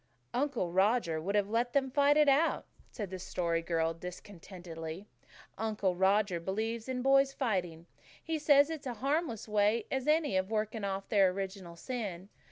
"Uncle Roger would have let them fight it out," said the Story Girl discontentedly. "Uncle Roger believes in boys fighting. He says it's as harmless a way as any of working off their original sin.